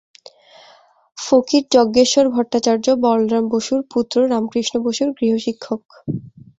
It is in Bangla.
ফকির যজ্ঞেশ্বর ভট্টাচার্য, বলরাম বসুর পুত্র রামকৃষ্ণ বসুর গৃহশিক্ষক।